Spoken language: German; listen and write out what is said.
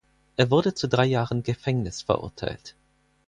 Er wurde zu drei Jahren Gefängnis verurteilt.